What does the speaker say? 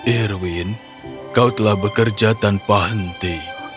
irwin kau telah bekerja tanpa henti